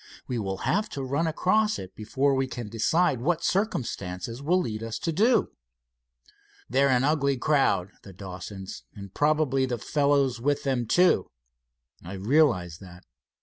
We will have to run across it before we can decide what circumstances will lead us to do." "They're an ugly crowd the Dawsons, and probably the fellows with them, too." "I realize that.